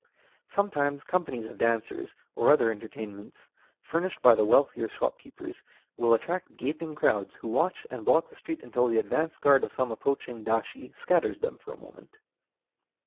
Sometimes companies of dancers, or other entertainments furnished by the wealthier shopkeepers, will attract gaping crowds, who watch and block the street until the advance guard of some approaching dashi scatters them for a moment.